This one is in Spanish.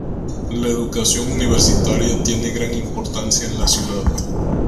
La educación universitaria tiene gran importancia en la ciudad.